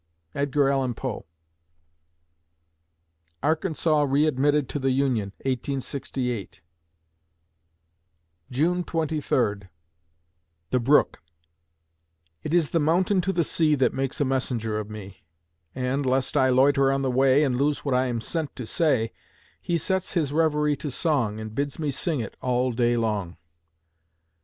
EDGAR ALLAN POE Arkansas readmitted to the Union, 1868 June Twenty Third THE BROOK It is the mountain to the sea That makes a messenger of me: And, lest I loiter on the way And lose what I am sent to say, He sets his reverie to song And bids me sing it all day long.